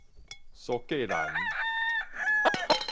蘇格蘭